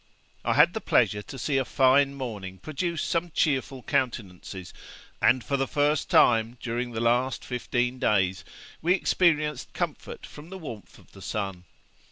I had the pleasure to see a fine morning produce some cheerful countenances; and for the first time, during the last fifteen days, we experienced comfort from the warmth of the sun.